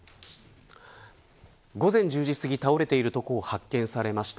午前１０時すぎ倒れているところを発見されました。